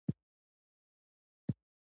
هیلۍ تل له کورنۍ سره یوځای ژوند کوي